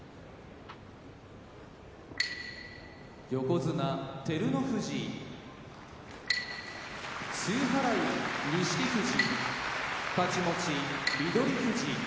横綱照ノ富士露払い錦富士太刀持ち翠富士。